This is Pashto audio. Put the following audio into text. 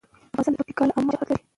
افغانستان د پکتیکا له امله شهرت لري.